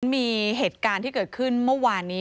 มีเหตุการณ์ที่เกิดขึ้นเมื่อวานนี้